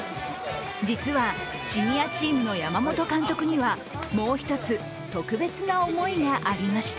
実はシニアチームの山本監督にはもう一つ、特別な思いがありました。